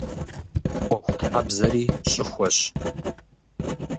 Ӏуэхутхьэбзэри щӀыхуэщ.